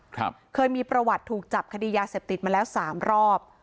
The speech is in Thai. ครับเคยมีประวัติถูกจับคดียาเสพติดมาแล้วสามรอบ